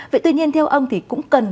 vậy tuy nhiên theo ông thì cũng cần